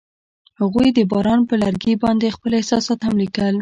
هغوی د باران پر لرګي باندې خپل احساسات هم لیکل.